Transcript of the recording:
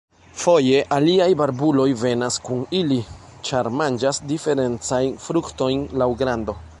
Foje aliaj barbuloj venas kun ili, ĉar manĝas diferencajn fruktojn laŭ grando.